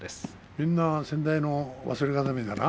みんな先代の忘れ形見かな。